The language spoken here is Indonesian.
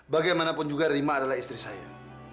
bagaimanapun juga rima adalah istri saya